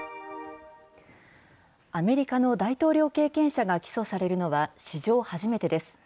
アメリカの大統領経験者が起訴されるのは、史上初めてです。